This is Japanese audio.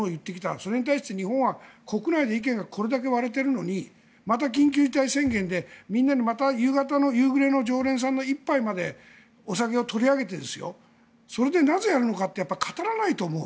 それに対して、日本は国内で意見がこれだけ割れているのにまた緊急事態宣言で夕方、夕暮れの常連さんの一杯までお酒を取り上げてそれでなぜやるのか語らないと。